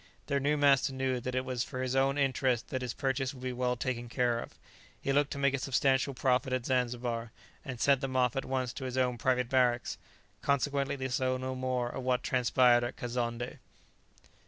Their new master knew that it was for his own interest that his purchase should be well taken care of; he looked to make a substantial profit at Zanzibar, and sent them off at once to his own private barracks; consequently they saw no more of what transpired at Kazonndé.